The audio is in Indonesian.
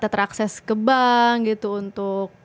terakses ke bank gitu untuk